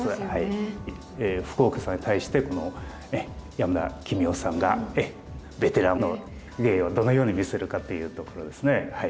福岡さんに対して山田規三生さんがベテランの芸をどのように見せるかというところですね。